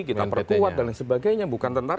kita perkuat dan sebagainya bukan tentara